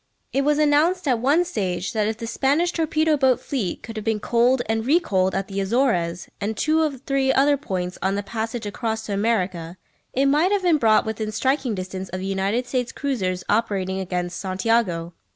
It was announced at one stage that if the Spanish torpedo boat fleet could have been coaled and re coaled at the Azores, and two or three other points on the passage across to America, it might have been brought within striking distance of the United States cruisers operating against Santiago.